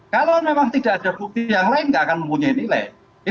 kalau memang tidak ada bukti yang lain tidak akan mempunyai nilai